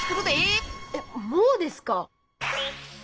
えっもうですか？